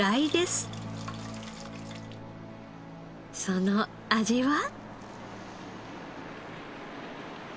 その味は？